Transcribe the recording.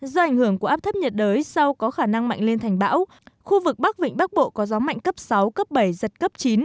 do ảnh hưởng của áp thấp nhiệt đới sau có khả năng mạnh lên thành bão khu vực bắc vịnh bắc bộ có gió mạnh cấp sáu cấp bảy giật cấp chín